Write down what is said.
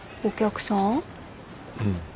お客さん？